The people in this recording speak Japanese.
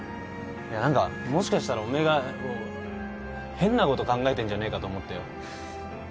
いや何かもしかしたらおめえが変なこと考えてんじゃねえかと思ってよ。